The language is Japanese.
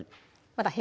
また